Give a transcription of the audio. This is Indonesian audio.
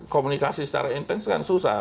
komunikasi secara intens kan susah